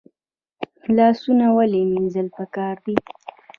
لاسونه ولې مینځل پکار دي؟